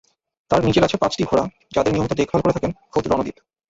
তাঁর নিজের আছে পাঁচটি ঘোড়া, যাদের নিয়মিত দেখভাল করে থাকেন খোদ রণদ্বীপ।